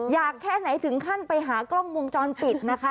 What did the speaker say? อยากให้ถึงขั้นไปหากล้องกวงจ่อนปิด